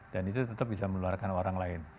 dan itu tetap bisa menularkan orang lain